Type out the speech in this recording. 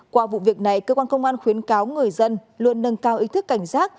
qua vụ việc này cơ quan công an khuyến cáo người dân luôn nâng cao ý thức cảnh giác